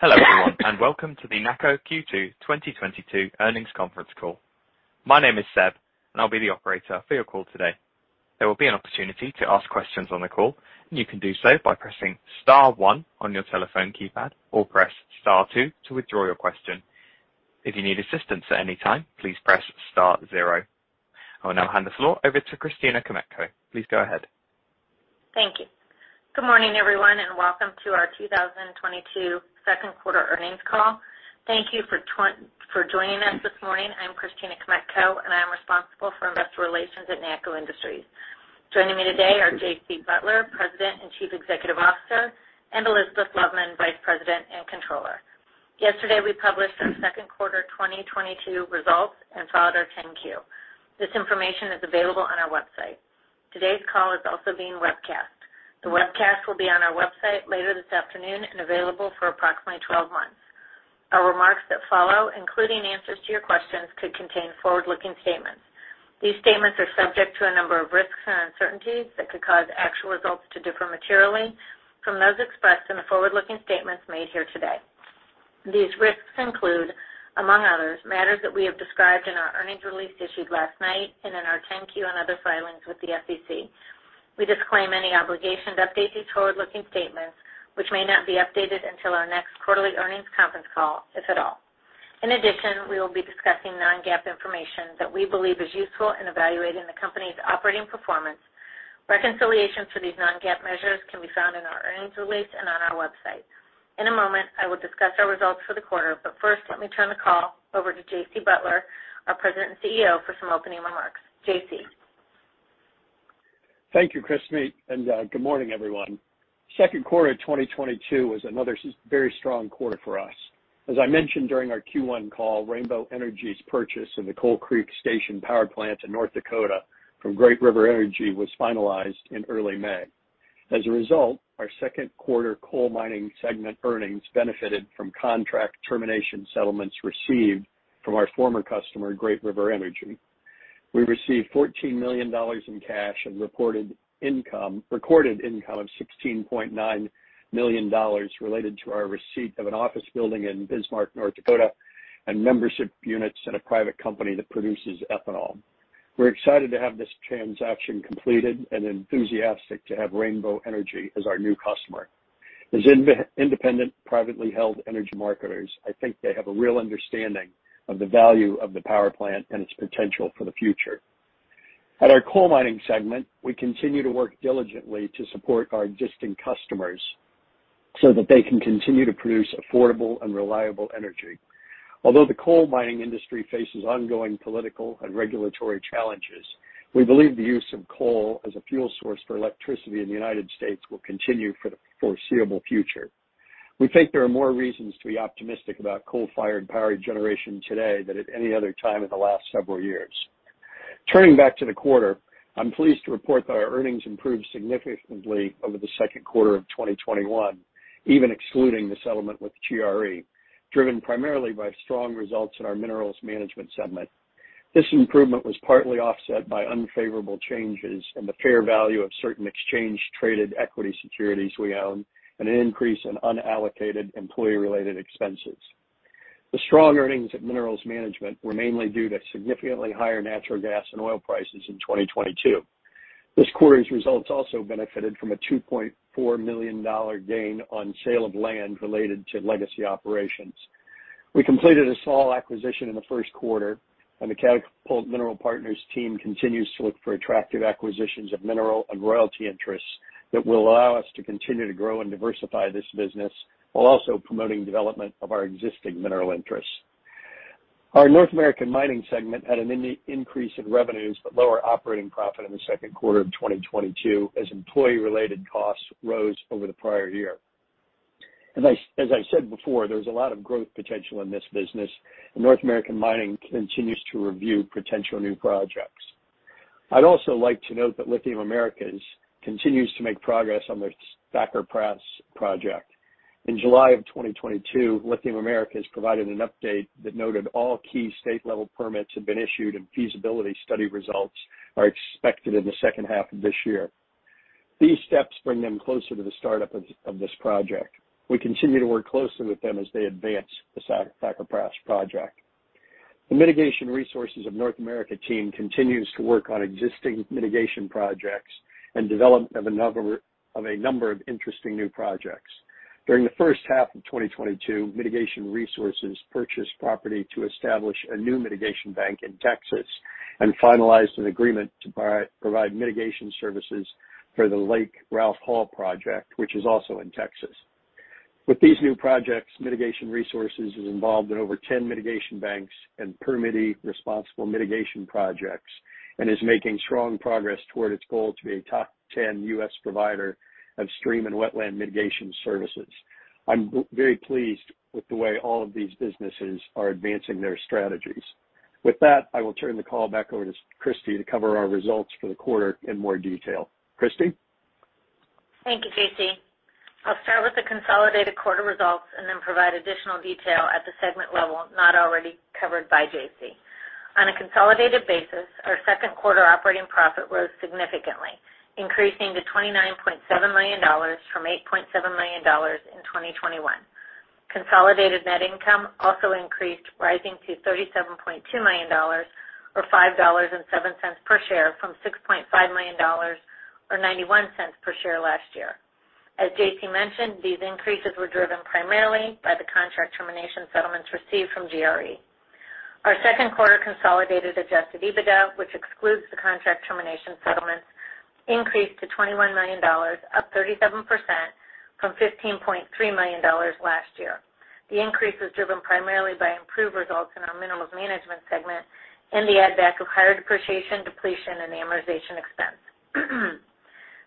Hello, everyone, and welcome to the NACCO Q2 2022 Earnings Conference Call. My name is Seb, and I'll be the operator for your call today. There will be an opportunity to ask questions on the call, and you can do so by pressing star one on your telephone keypad, or press star two to withdraw your question. If you need assistance at any time, please press star zero. I will now hand the floor over to Christina Kmetko. Please go ahead. Thank you. Good morning, everyone, and welcome to our 2022 second quarter earnings call. Thank you for joining us this morning. I'm Christina Kmetko, and I am responsible for investor relations at NACCO Industries. Joining me today are J.C. Butler, President and Chief Executive Officer, and Elizabeth Loveman, Senior Vice President and Controller. Yesterday, we published our second quarter 2022 results and filed our 10-Q. This information is available on our website. Today's call is also being webcast. The webcast will be on our website later this afternoon and available for approximately 12 months. Our remarks that follow, including answers to your questions, could contain forward-looking statements. These statements are subject to a number of risks and uncertainties that could cause actual results to differ materially from those expressed in the forward-looking statements made here today. These risks include, among others, matters that we have described in our earnings release issued last night and in our 10-Q and other filings with the SEC. We disclaim any obligation to update these forward-looking statements, which may not be updated until our next quarterly earnings conference call, if at all. In addition, we will be discussing non-GAAP information that we believe is useful in evaluating the company's operating performance. Reconciliations for these non-GAAP measures can be found in our earnings release and on our website. In a moment, I will discuss our results for the quarter, but first, let me turn the call over to J.C. Butler, our President and CEO, for some opening remarks. J.C. Thank you, Christine, and good morning, everyone. Second quarter 2022 was another very strong quarter for us. As I mentioned during our Q1 call, Rainbow Energy's purchase of the Coal Creek Station power plant in North Dakota from Great River Energy was finalized in early May. As a result, our second quarter coal mining segment earnings benefited from contract termination settlements received from our former customer, Great River Energy. We received $14 million in cash and recorded income of $16.9 million related to our receipt of an office building in Bismarck, North Dakota, and membership units in a private company that produces ethanol. We're excited to have this transaction completed and enthusiastic to have Rainbow Energy as our new customer. As independent, privately held energy marketers, I think they have a real understanding of the value of the power plant and its potential for the future. At our coal mining segment, we continue to work diligently to support our existing customers so that they can continue to produce affordable and reliable energy. Although the coal mining industry faces ongoing political and regulatory challenges, we believe the use of coal as a fuel source for electricity in the United States will continue for the foreseeable future. We think there are more reasons to be optimistic about coal-fired power generation today than at any other time in the last several years. Turning back to the quarter, I'm pleased to report that our earnings improved significantly over the second quarter of 2021, even excluding the settlement with GRE, driven primarily by strong results in our minerals management segment. This improvement was partly offset by unfavorable changes in the fair value of certain exchange traded equity securities we own and an increase in unallocated employee-related expenses. The strong earnings at minerals management were mainly due to significantly higher natural gas and oil prices in 2022. This quarter's results also benefited from a $2.4 million gain on sale of land related to legacy operations. We completed a small acquisition in the first quarter, and the Catapult Mineral Partners team continues to look for attractive acquisitions of mineral and royalty interests that will allow us to continue to grow and diversify this business while also promoting development of our existing mineral interests. Our North American mining segment had an increase in revenues but lower operating profit in the second quarter of 2022 as employee-related costs rose over the prior year. As I said before, there's a lot of growth potential in this business, and North American Mining continues to review potential new projects. I'd also like to note that Lithium Americas continues to make progress on their Thacker Pass project. In July of 2022, Lithium Americas provided an update that noted all key state-level permits have been issued, and feasibility study results are expected in the second half of this year. These steps bring them closer to the startup of this project. We continue to work closely with them as they advance the Thacker Pass project. The Mitigation Resources of North America team continues to work on existing mitigation projects and development of a number of interesting new projects. During the first half of 2022, Mitigation Resources purchased property to establish a new mitigation bank in Texas and finalized an agreement to provide mitigation services for the Lake Ralph Hall project, which is also in Texas. With these new projects, Mitigation Resources is involved in over 10 mitigation banks and permittee responsible mitigation projects and is making strong progress toward its goal to be a top 10 U.S. provider of stream and wetland mitigation services. I'm very pleased with the way all of these businesses are advancing their strategies. With that, I will turn the call back over to Christie to cover our results for the quarter in more detail. Christie? Thank you, J.C. I'll start with the consolidated quarter results and then provide additional detail at the segment level not already covered by J.C. On a consolidated basis, our second quarter operating profit rose significantly, increasing to $29.7 million from $8.7 million in 2021. Consolidated net income also increased, rising to $37.2 million or $5.07 per share from $6.5 million or $0.91 per share last year. As JC mentioned, these increases were driven primarily by the contract termination settlements received from GRE. Our second quarter consolidated adjusted EBITDA, which excludes the contract termination settlements, increased to $21 million, up 37% from $15.3 million last year. The increase was driven primarily by improved results in our minerals management segment and the add back of higher depreciation, depletion, and amortization expense.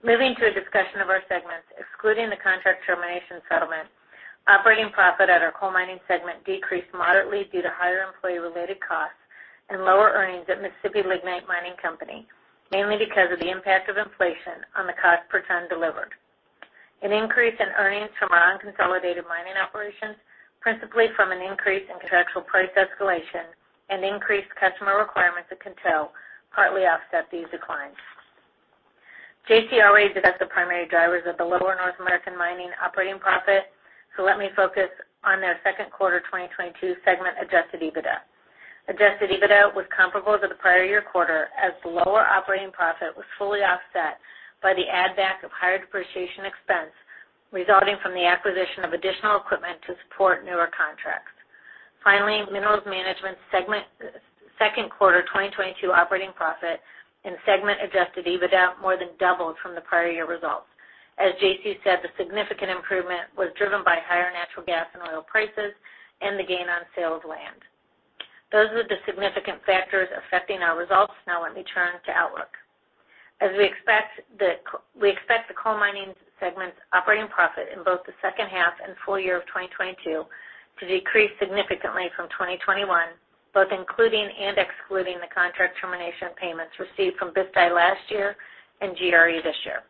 Moving to a discussion of our segments, excluding the contract termination settlement, operating profit at our coal mining segment decreased moderately due to higher employee-related costs and lower earnings at Mississippi Lignite Mining Company, mainly because of the impact of inflation on the cost per ton delivered. An increase in earnings from our unconsolidated mining operations, principally from an increase in contractual price escalation and increased customer requirements at Coteau partly offset these declines. J.C. already discussed the primary drivers of the lower North American Mining operating profit. Let me focus on their second quarter 2022 segment adjusted EBITDA. Adjusted EBITDA was comparable to the prior year quarter as the lower operating profit was fully offset by the add back of higher depreciation expense resulting from the acquisition of additional equipment to support newer contracts. Finally, minerals management segment's second quarter 2022 operating profit and segment adjusted EBITDA more than doubled from the prior year results. As J.C. said, the significant improvement was driven by higher natural gas and oil prices and the gain on sale of land. Those are the significant factors affecting our results. Now let me turn to outlook. We expect the coal mining segment's operating profit in both the second half and full year of 2022 to decrease significantly from 2021, both including and excluding the contract termination payments received from Bisti last year and GRE this year.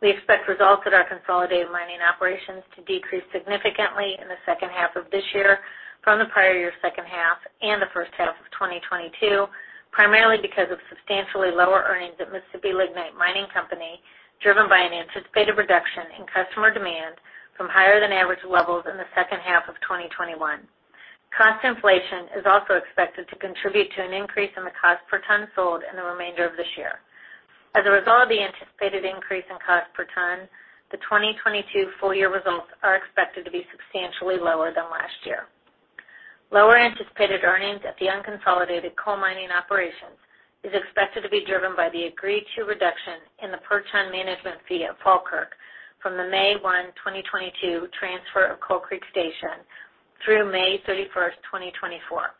We expect results at our consolidated mining operations to decrease significantly in the second half of this year from the prior year second half and the first half of 2022, primarily because of substantially lower earnings at Mississippi Lignite Mining Company, driven by an anticipated reduction in customer demand from higher than average levels in the second half of 2021. Cost inflation is also expected to contribute to an increase in the cost per ton sold in the remainder of this year. As a result of the anticipated increase in cost per ton, the 2022 full year results are expected to be substantially lower than last year. Lower anticipated earnings at the unconsolidated coal mining operations is expected to be driven by the agreed to reduction in the per ton management fee at Falkirk from the May 1, 2022 transfer of Coal Creek Station through May 31, 2024,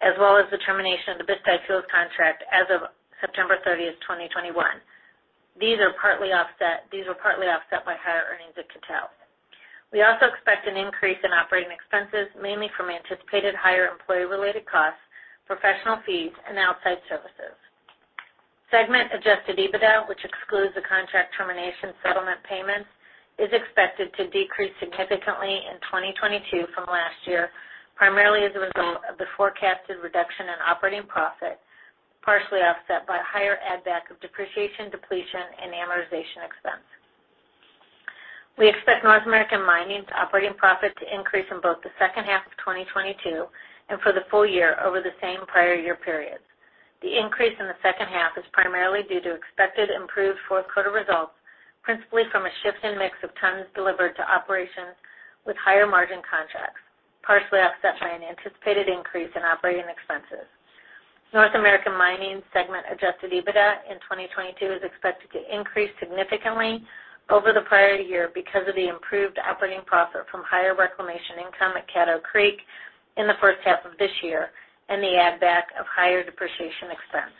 as well as the termination of the Bisti Fuels contract as of September 30, 2021. These were partly offset by higher earnings at Coteau. We also expect an increase in operating expenses, mainly from anticipated higher employee-related costs, professional fees, and outside services. Segment adjusted EBITDA, which excludes the contract termination settlement payments, is expected to decrease significantly in 2022 from last year, primarily as a result of the forecasted reduction in operating profit, partially offset by higher add back of depreciation, depletion, and amortization expense. We expect North American Mining's operating profit to increase in both the second half of 2022 and for the full year over the same prior year periods. The increase in the second half is primarily due to expected improved fourth quarter results, principally from a shift in mix of tons delivered to operations with higher margin contracts, partially offset by an anticipated increase in operating expenses. North American Mining segment adjusted EBITDA in 2022 is expected to increase significantly over the prior year because of the improved operating profit from higher reclamation income at Caddo Creek in the first half of this year and the add back of higher depreciation expense.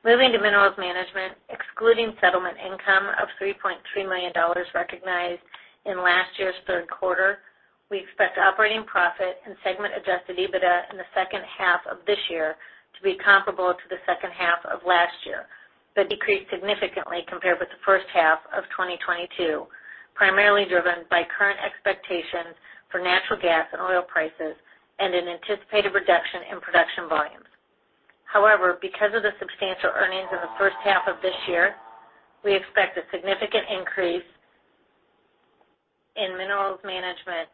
Moving to minerals management, excluding settlement income of $3.3 million recognized in last year's third quarter, we expect operating profit and segment adjusted EBITDA in the second half of this year to be comparable to the second half of last year, but decrease significantly compared with the first half of 2022, primarily driven by current expectations for natural gas and oil prices and an anticipated reduction in production volumes. However, because of the substantial earnings in the first half of this year, we expect a significant increase in minerals management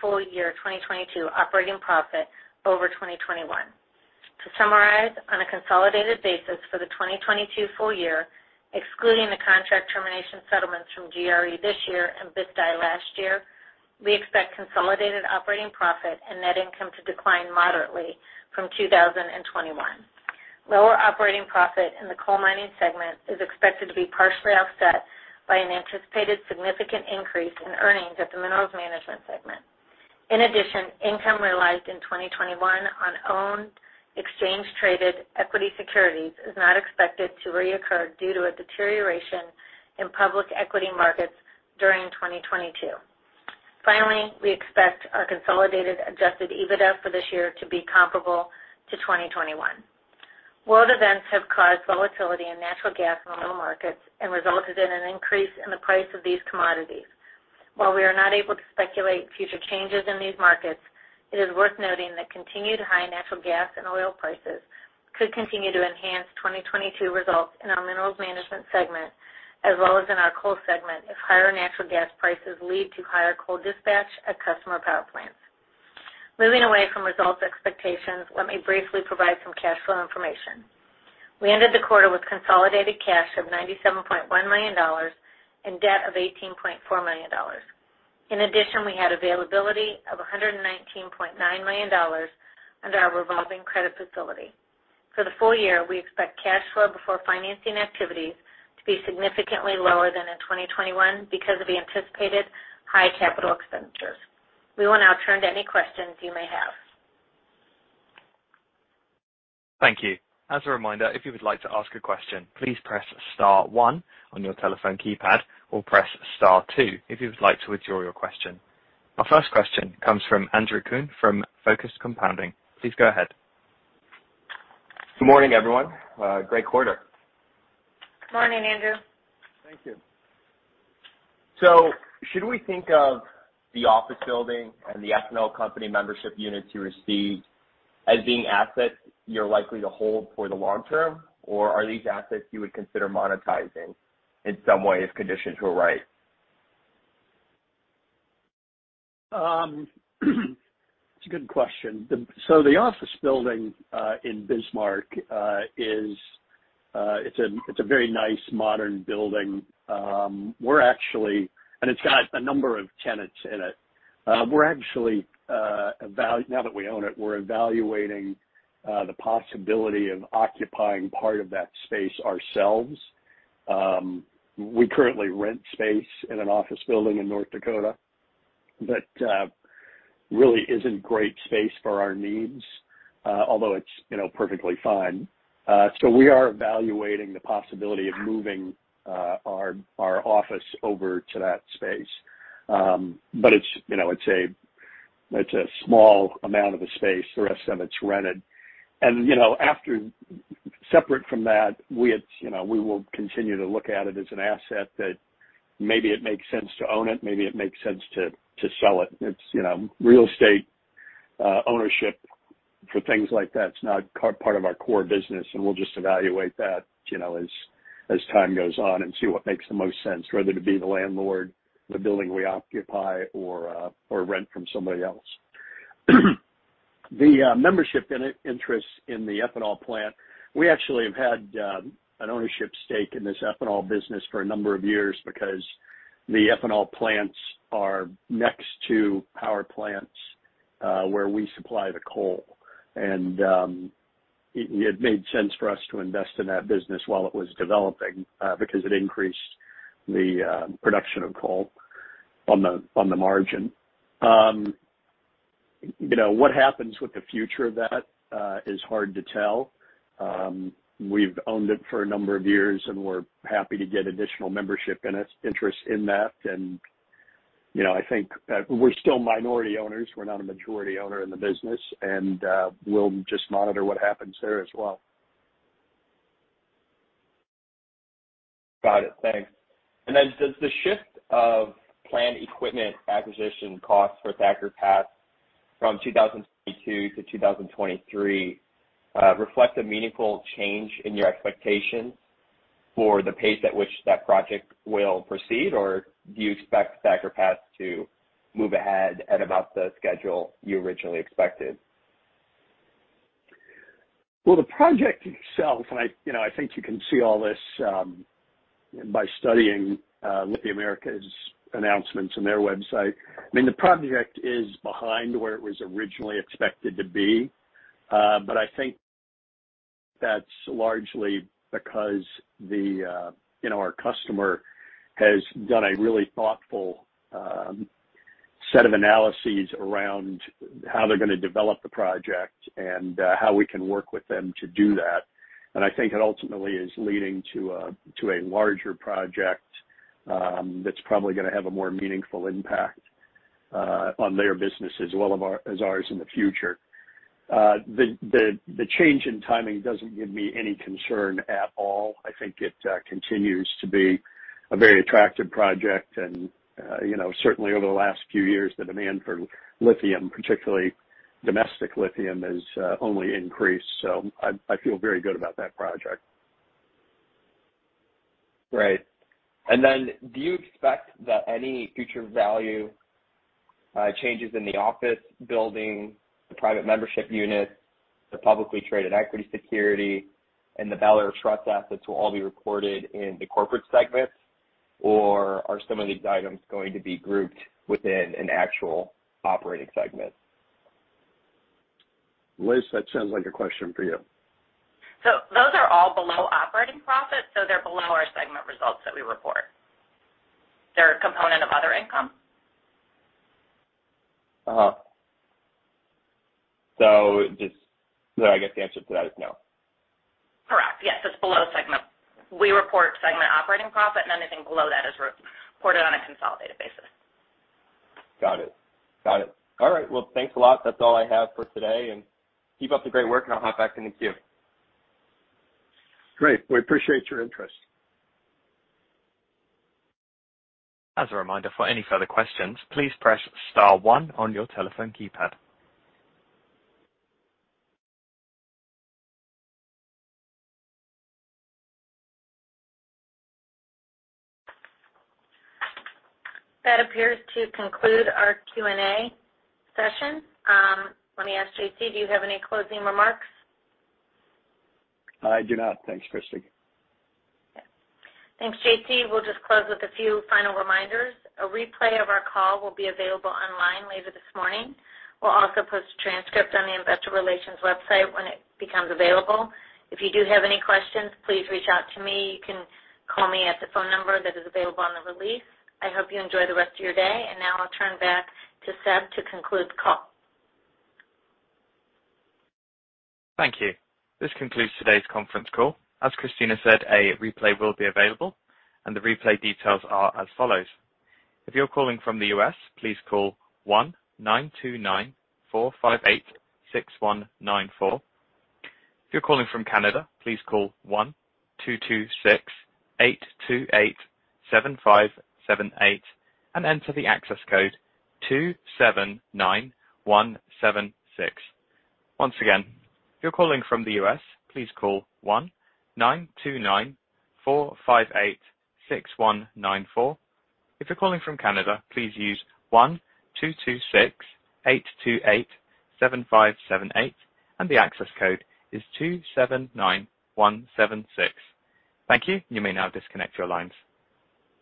full year 2022 operating profit over 2021. To summarize, on a consolidated basis for the 2022 full year, excluding the contract termination settlements from GRE this year and Bisti last year, we expect consolidated operating profit and net income to decline moderately from 2021. Lower operating profit in the coal mining segment is expected to be partially offset by an anticipated significant increase in earnings at the minerals management segment. In addition, income realized in 2021 on owned exchange traded equity securities is not expected to reoccur due to a deterioration in public equity markets during 2022. Finally, we expect our consolidated adjusted EBITDA for this year to be comparable to 2021. World events have caused volatility in natural gas and oil markets and resulted in an increase in the price of these commodities. While we are not able to speculate future changes in these markets, it is worth noting that continued high natural gas and oil prices could continue to enhance 2022 results in our minerals management segment, as well as in our coal segment if higher natural gas prices lead to higher coal dispatch at customer power plants. Moving away from results expectations, let me briefly provide some cash flow information. We ended the quarter with consolidated cash of $97.1 million and debt of $18.4 million. In addition, we had availability of $119.9 million under our revolving credit facility. For the full year, we expect cash flow before financing activities to be significantly lower than in 2021 because of the anticipated high capital expenditures. We will now turn to any questions you may have. Thank you. As a reminder, if you would like to ask a question, please press star one on your telephone keypad, or press star two if you would like to withdraw your question. Our first question comes from Andrew Kuhn from Focused Compounding. Please go ahead. Good morning, everyone. Great quarter. Morning, Andrew. Thank you. Should we think of the office building and the ethanol company membership units you received as being assets you're likely to hold for the long term, or are these assets you would consider monetizing in some way if conditions were right? It's a good question. The office building in Bismarck is a very nice modern building. It's got a number of tenants in it. We're actually now that we own it, we're evaluating the possibility of occupying part of that space ourselves. We currently rent space in an office building in North Dakota that really isn't great space for our needs, although it's, you know, perfectly fine. We are evaluating the possibility of moving our office over to that space. It's, you know, a small amount of the space. The rest of it's rented. Separate from that, we will continue to look at it as an asset that maybe it makes sense to own it, maybe it makes sense to sell it. It's real estate ownership for things like that. It's not part of our core business, and we'll just evaluate that as time goes on and see what makes the most sense, whether to be the landlord of the building we occupy or rent from somebody else. The membership interests in the ethanol plant, we actually have had an ownership stake in this ethanol business for a number of years because the ethanol plants are next to power plants where we supply the coal. It made sense for us to invest in that business while it was developing, because it increased the production of coal on the margin. You know, what happens with the future of that is hard to tell. We've owned it for a number of years, and we're happy to get additional membership interests in that. You know, I think we're still minority owners. We're not a majority owner in the business. We'll just monitor what happens there as well. Got it. Thanks. Does the shift of planned equipment acquisition costs for Thacker Pass from 2022 to 2023 reflect a meaningful change in your expectations for the pace at which that project will proceed? Or do you expect Thacker Pass to move ahead at about the schedule you originally expected? Well, the project itself, and I, you know, I think you can see all this, by studying, Lithium Americas' announcements on their website. I mean, the project is behind where it was originally expected to be. I think that's largely because the, you know, our customer has done a really thoughtful, set of analyses around how they're gonna develop the project and, how we can work with them to do that. I think it ultimately is leading to a larger project, that's probably gonna have a more meaningful impact, on their business as well as our, as ours in the future. The change in timing doesn't give me any concern at all. I think it continues to be a very attractive project and, you know, certainly over the last few years, the demand for lithium, particularly domestic lithium, has only increased. I feel very good about that project. Right. Do you expect that any future value changes in the office building, the private membership units, the publicly traded equity security, and the VEBA Trust assets will all be recorded in the corporate segment, or are some of these items going to be grouped within an actual operating segment? Liz, that sounds like a question for you. Those are all below operating profits, so they're below our segment results that we report. They're a component of other income. I guess the answer to that is no. Correct. Yes. It's below segment. We report segment operating profit, and anything below that is re-reported on a consolidated basis. Got it. Got it. All right. Well, thanks a lot. That's all I have for today, and keep up the great work, and I'll hop back in the queue. Great. We appreciate your interest. As a reminder for any further questions, please press star one on your telephone keypad. That appears to conclude our Q&A session. Let me ask J.C, do you have any closing remarks? I do not. Thanks, Christina. Thanks, J.C. We'll just close with a few final reminders. A replay of our call will be available online later this morning. We'll also post a transcript on the investor relations website when it becomes available. If you do have any questions, please reach out to me. You can call me at the phone number that is available on the release. I hope you enjoy the rest of your day. Now I'll turn back to Seb to conclude the call. Thank you. This concludes today's conference call. As Christina said, a replay will be available, and the replay details are as follows. If you're calling from the US, please call 1-929-458-6194. If you're calling from Canada, please call 1-226-828-7578 and enter the access code 279176. Once again, if you're calling from the US, please call 1-929-458-6194. If you're calling from Canada, please use 1-226-828-7578, and the access code is 279176. Thank you. You may now disconnect your lines.